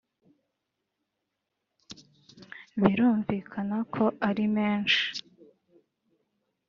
Birumvikana ko ari menshi